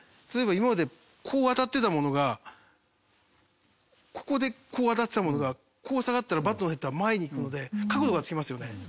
例えば今までこう当たってたものがここでこう当たってたものがこう下がったらバットのヘッドは前に行くので角度がつきますよね。